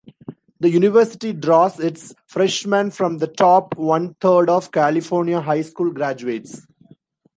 The university draws its freshmen from the top one-third of California high school graduates.